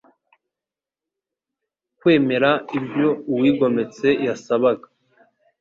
Kwemera ibyo uwigometse yasabaga,